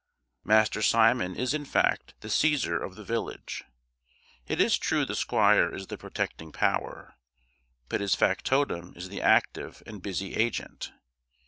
Master Simon is in fact the Caesar of the village. It is true the squire is the protecting power, but his factotum is the active and busy agent.